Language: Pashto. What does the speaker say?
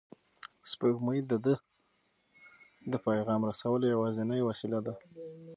سپوږمۍ د ده د پیغام رسولو یوازینۍ وسیله ده.